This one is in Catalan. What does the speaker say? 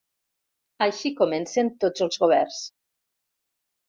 Així comencen tots els governs.